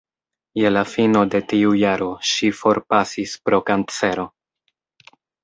Je la fino de tiu jaro ŝi forpasis pro kancero.